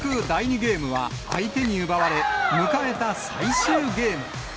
ゲームは、相手に奪われ、迎えた最終ゲーム。